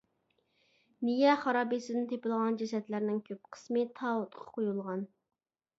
نىيە خارابىسىدىن تېپىلغان جەسەتلەرنىڭ كۆپ قىسمى تاۋۇتقا قويۇلغان.